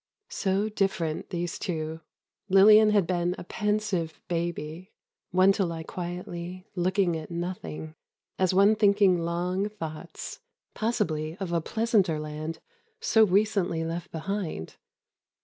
So different, these two. Lillian had been a pensive baby—one to lie quietly, looking at nothing, as one thinking long thoughts—possibly of a pleasanter land, so recently left behind.